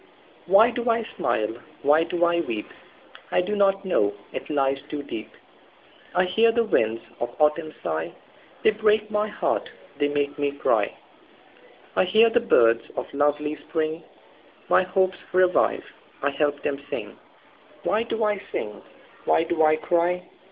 Why do I smile? Why do I weep?I do not know; it lies too deep.I hear the winds of autumn sigh, They break my heart, they make me cry;I hear the birds of lovely spring, My hopes revive, I help them sing. Why do I sing? Why do I cry?